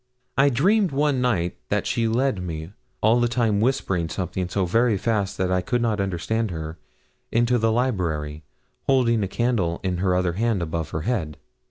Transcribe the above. I dreamed one night that she led me, all the time whispering something so very fast that I could not understand her, into the library, holding a candle in her other hand above her head.